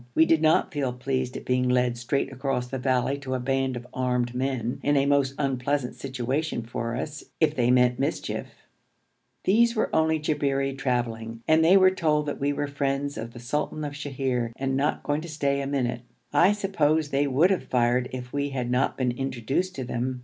We did not feel pleased at being led straight across the valley to a band of armed men, in a most unpleasant situation for us if they meant mischief. These were only Jabberi travelling, and they were told that we were friends of the sultan of Sheher, and not going to stay a minute. I suppose they would have fired if we had not been introduced to them.